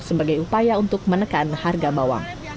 sebagai upaya untuk menekan harga bawang